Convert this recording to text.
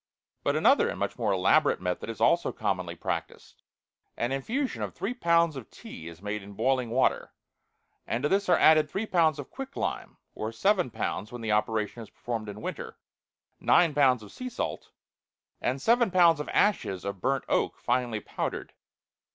But another and much more elaborate method is also commonly practiced. An infusion of three pounds of tea is made in boiling water, and to this are added three pounds of quicklime (or seven pounds when the operation is performed in winter), nine pounds of sea salt, and seven pounds of ashes of burnt oak finely powdered.